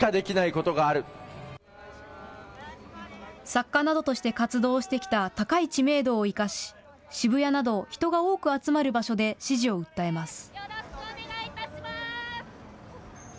作家などとして活動してきた高い知名度を生かし、渋谷など人が多く集まる場所で支持を訴えます。